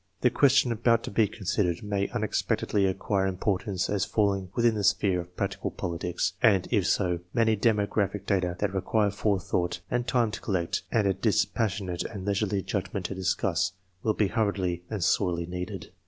The questions about to be considered may unexpectedly acquire importance as falling within the sphere of practical politics, and if so, many demographic data that require forethought and time to collect, and a dispassionate and leisurely judgment to discuss, will be hurriedly and sorely needed.